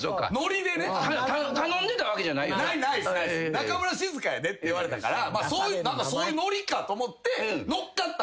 「中村静香やで」って言われたからそういうノリかと思って乗っかった。